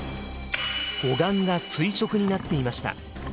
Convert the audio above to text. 護岸が垂直になっていました。